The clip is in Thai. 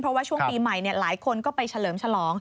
เพราะว่าช่วงปีใหม่หลายคนก็ไปเฉลิมฉลอง